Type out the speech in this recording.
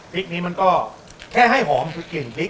พริกนี้มันก็แค่ให้หอมคือกลิ่นพริก